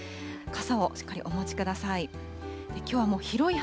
傘をしっかりお持ちください。